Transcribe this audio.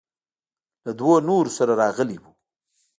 له دوو نورو سره راغلى و.